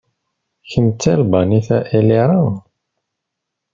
Kemm d Talbanit a Elira?